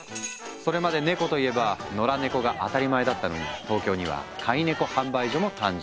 それまでネコといえば野良猫が当たり前だったのに東京には「飼い猫販売所」も誕生。